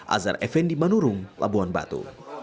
azhar effendi manurung labuan batu